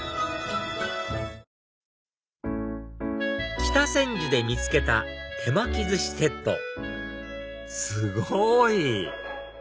北千住で見つけた手巻き寿司セットすごい！